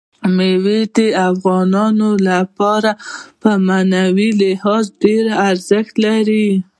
مېوې د افغانانو لپاره په معنوي لحاظ ډېر زیات ارزښت لري.